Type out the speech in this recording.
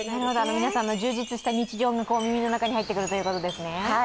皆さんの充実した日常も耳の中に入ってくるということですね。